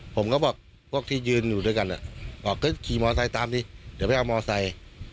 ผมก็บอกพวกที่ยืนอยู่ด้วยกันบอกก็ขี่มอไซค์ตามดิเดี๋ยวไปเอามอไซค์